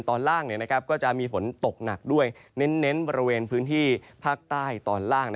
ตอนล่างก็จะมีฝนตกหนักด้วยเน้นบริเวณพื้นที่ภาคใต้ตอนล่าง